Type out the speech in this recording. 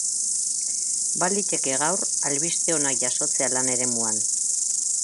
Baliteke gaur albiste onak jasotzea lan eremuan.